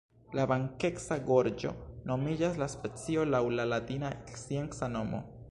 La blankeca gorĝo nomigas la specion laŭ la latina scienca nomo.